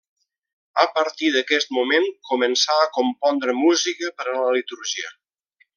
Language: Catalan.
A partir d'aquest moment començà a compondre música per a la litúrgia.